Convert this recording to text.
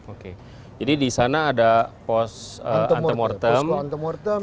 oke jadi di sana ada posko antemortem